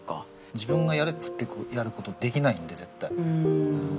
自分がやれっつってやる事できないんで絶対。